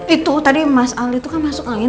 itu tadi mas ali tuh kan masuk angin